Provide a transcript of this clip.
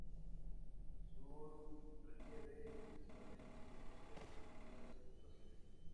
Su relieve es principalmente llano, pero con ligeras ondulaciones.